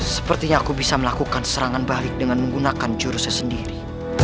sepertinya aku bisa melakukan serangan balik dengan menggunakan jurusnya sendiri